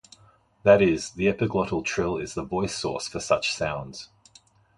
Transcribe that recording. That is, the epiglottal trill is the voice source for such sounds.